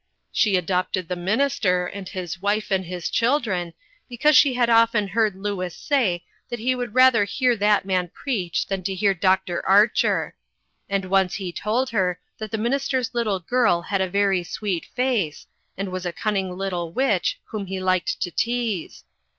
She adopted the minister, and his wife and his children, because she had often 41 6 INTERRUPTED. heard Louis say that he would rather hear that man preacli than to hear Doctor Archer ; and once he told her that the minister's little girl had a very sweet face, and was a cunning little witch whom he liked to tease.